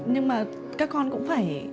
nhưng mà các con cũng phải